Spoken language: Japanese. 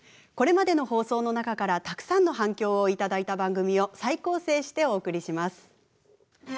これまでの放送の中からたくさんの反響を頂いた番組を再構成してお送りします。